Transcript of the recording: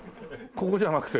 ここじゃなくて？